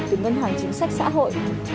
từ ngân hàng chính sách xã hội